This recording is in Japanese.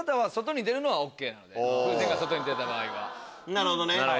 なるほどね。